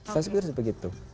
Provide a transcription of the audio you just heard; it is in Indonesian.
saya pikir seperti itu